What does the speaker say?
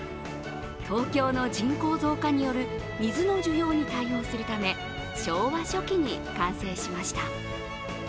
東京の人口増加による水の需要に対応するため昭和初期に完成しました。